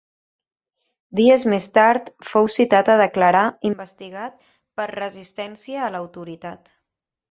Dies més tard fou citat a declarar investigat per ‘resistència a l’autoritat’.